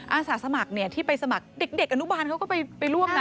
อาสาสมัครที่ไปสมัครเด็กอนุบาลเขาก็ไปร่วมนะ